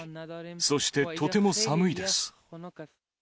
そしてとても寒いです。